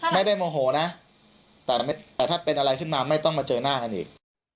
โมโหนะแต่ถ้าเป็นอะไรขึ้นมาไม่ต้องมาเจอหน้ากันอีก